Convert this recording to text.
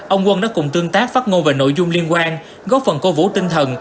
ông quân đã cùng tương tác phát ngôn về nội dung liên quan góp phần cố vũ tinh thần